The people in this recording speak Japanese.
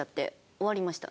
終わりました。